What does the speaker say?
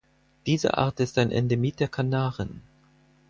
Diese Art ist ein Endemit der Kanaren.